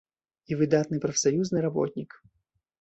І выдатны прафсаюзны работнік.